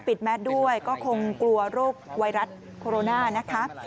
แมทด้วยก็คงกลัวโรคไวรัสโคโรนานะคะ